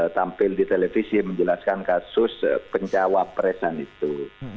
tampil di televisi menjelaskan kasus penjawab presen itu